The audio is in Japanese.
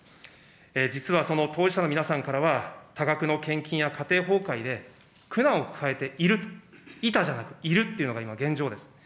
実はその当事者の皆さんからは多額の献金や家庭崩壊で、苦難を抱えている、いたじゃなくているというのが今、現状です。